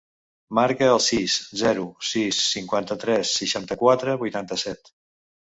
Marca el sis, zero, sis, cinquanta-tres, seixanta-quatre, vuitanta-set.